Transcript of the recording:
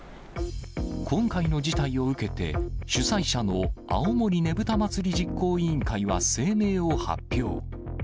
今回の事態を受けて、主催者の青森ねぶた祭実行委員会は声明を発表。